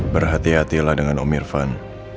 berhati hatilah dengan om irfan